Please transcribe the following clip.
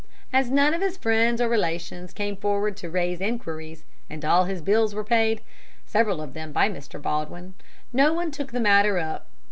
As none of his friends or relations came forward to raise enquiries, and all his bills were paid several of them by Mr. Baldwin no one took the matter up.